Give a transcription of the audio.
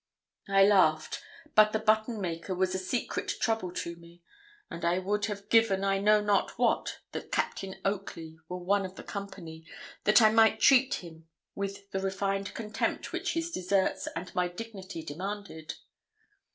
I laughed, but the button maker was a secret trouble to me; and I would have given I know not what that Captain Oakley were one of the company, that I might treat him with the refined contempt which his deserts and my dignity demanded.